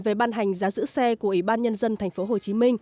về ban hành giá giữ xe của ủy ban nhân dân tp hcm